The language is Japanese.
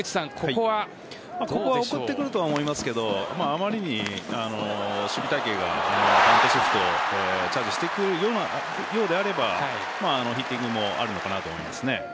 ここは送ってくるとは思いますがあまりに守備隊形がシフトチャージしていくようであればヒッティングもあるのかなと思います。